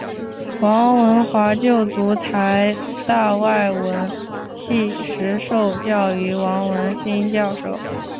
王文华就读台大外文系时受教于王文兴教授。